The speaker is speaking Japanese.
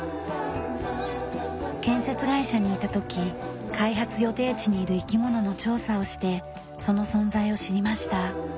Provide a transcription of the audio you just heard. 建設会社にいた時開発予定地にいる生き物の調査をしてその存在を知りました。